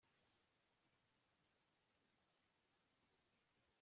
Hanyuma Leya aravuga ati ndishimye rwose